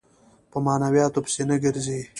په معنوياتو پسې نه ګرځي.